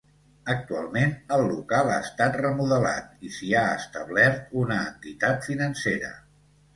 Actualment, el local ha estat remodelat i s'hi ha establert una entitat financera.